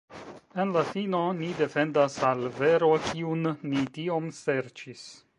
En la fino ni defendas al vero, kiun ni tiom serĉis.